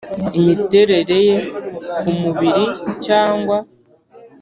Imiterere ye ku mubiri cyangwa